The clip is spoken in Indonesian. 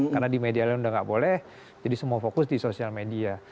karena di media lain sudah tidak boleh jadi semua fokus di sosial media